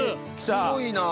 すごいなぁ。